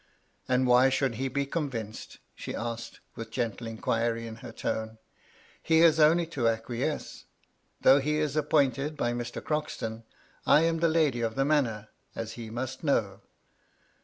^^And why should he be convinced?" she asked, with gentle inquiry in her tone. ^^He has only to acquiesce. Though he is appointed by Mr. Croxton, I am the lady of the manor, as he must know.